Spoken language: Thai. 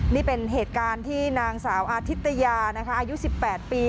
นี่เป็นเหตุการณ์ที่นางสาวอาทิตยานะคะอายุ๑๘ปี